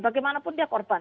bagaimanapun dia korban